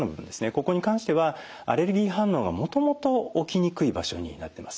ここに関してはアレルギー反応がもともと起きにくい場所になってます。